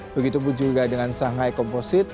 begitu pun juga dengan shanghai composite